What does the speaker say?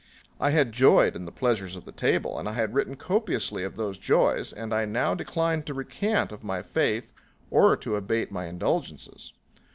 I had joyed in the pleasures of the table, and I had written copiously of those joys, and I now declined to recant of my faith or to abate my indulgences.